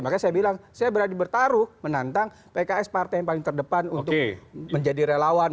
makanya saya bilang saya berani bertaruh menantang pks partai yang paling terdepan untuk menjadi relawan